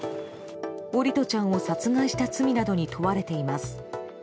桜利斗ちゃんを殺害した罪などに問われています。